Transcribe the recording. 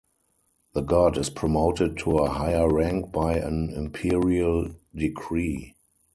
The god is promoted to a higher rank by an imperial decree.